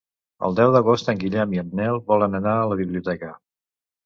El deu d'agost en Guillem i en Nel volen anar a la biblioteca.